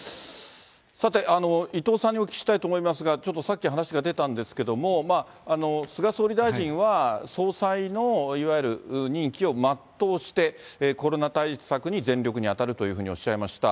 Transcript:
さて、伊藤さんにお聞きしたいと思いますが、ちょっと、さっき話が出たと思うんですけれども、菅総理大臣は総裁のいわゆる任期を全うして、コロナ対策に全力に当たるというふうにおっしゃいました。